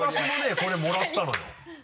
これもらったのよ。